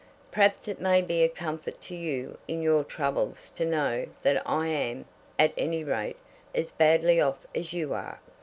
"Perhaps it may be a comfort to you in your troubles to know that I am, at any rate, as badly off as you are?